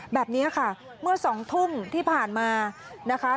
แบบนี้ค่ะเมื่อ๒ทุ่มที่ผ่านมานะคะ